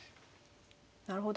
なるほど。